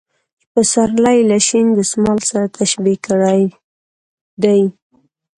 چې پسرلى يې له شين دسمال سره تشبيه کړى دى .